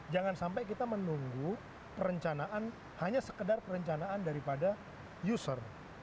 jangan sampai kita menunggu perencanaan hanya sekedar perencanaan daripada user